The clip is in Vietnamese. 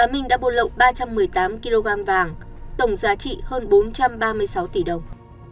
mua lậu ba trăm một mươi tám kg vàng tổng giá trị hơn bốn trăm ba mươi sáu tỷ đồng